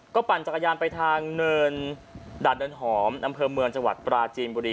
ปั่นจักรยานไปทางเนินดาดเดินหอมอำเภอเมืองจังหวัดปราจีนบุรี